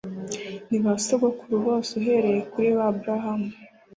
Nibasogokuru bose uhereye kuri ba aburahamu